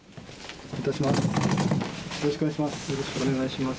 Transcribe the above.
よろしくお願いします。